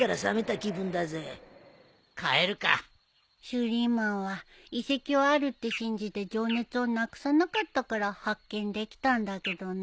シュリーマンは遺跡をあるって信じて情熱をなくさなかったから発見できたんだけどね。